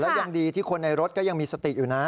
ยังดีที่คนในรถก็ยังมีสติอยู่นะ